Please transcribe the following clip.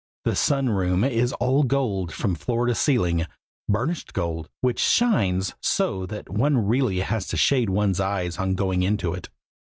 The Sun room is all gold from floor to ceiling, burnished gold, which shines so that one really has to shade one's eyes on going into it.